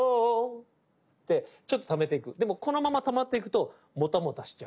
でもこのままタマっていくともたもたしちゃう。